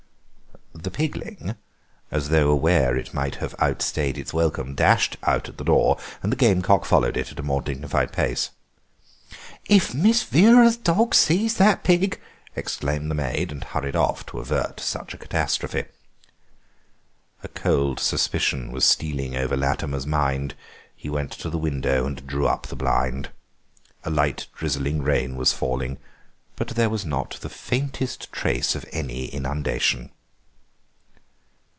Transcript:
The pigling, as though aware that it might have outstayed its welcome, dashed out at the door, and the gamecock followed it at a more dignified pace. "If Miss Vera's dog sees that pig—!" exclaimed the maid, and hurried off to avert such a catastrophe. A cold suspicion was stealing over Latimer's mind; he went to the window and drew up the blind. A light, drizzling rain was falling, but there was not the faintest trace of any inundation.